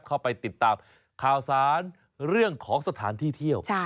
เข้าไปติดตามข่าวสารเรื่องของสถานที่เที่ยว